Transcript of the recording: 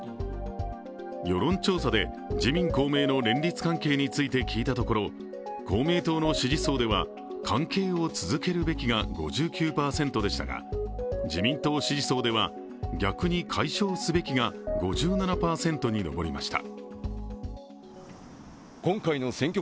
世論調査で自民・公明の連立関係について聞いたところ、公明党の支持層では、関係を続けるべきが５９％でしたが自民党支持層では、逆に解消すべきが５７％に上りました。